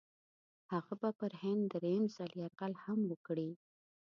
هغه به پر هند درېم ځل یرغل هم وکړي.